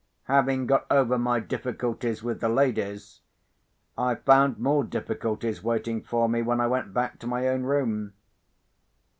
Having got over my difficulties with the ladies, I found more difficulties waiting for me when I went back to my own room.